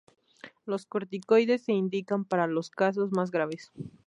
Los corticoides se indican para los casos más graves.